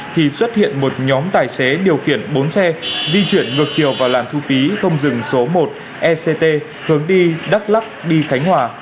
thì xuất hiện một nhóm tài xế điều khiển bốn xe di chuyển ngược chiều vào làn thu phí không dừng số một ect hướng đi đắk lắc đi khánh hòa